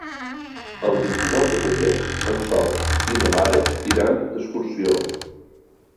El vint-i-nou de febrer en Sol i na Lara iran d'excursió.